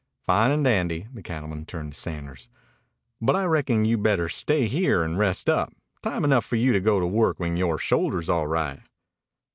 "Fine and dandy." The cattleman turned to Sanders. "But I reckon you better stay right here and rest up. Time enough for you to go to work when yore shoulder's all right."